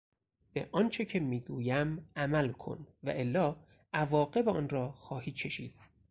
به آنچه که میگویم عمل کن والا عواقب آن را خواهی چشید.